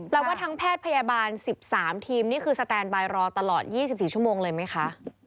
แล้วว่าทั้งแพทย์พยาบาล๑๓ทีมนี่คือสแตนบายรอตลอด๒๔ชั่วโมงเลยไหมคะ